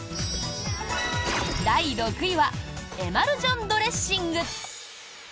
第６位はエマルジョンドレッシング。